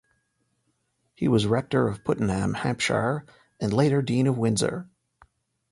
He was Rector of Puttenham, Hampshire, and later Dean of Windsor.